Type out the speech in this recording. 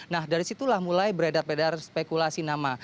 nah dari situlah mulai beredar berdar spekulasi nama